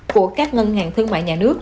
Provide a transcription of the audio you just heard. của các ngân hàng thương mại nhà nước